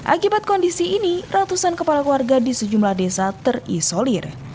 akibat kondisi ini ratusan kepala keluarga di sejumlah desa terisolir